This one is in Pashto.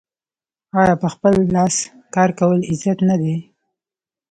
آیا په خپل لاس کار کول عزت نه دی؟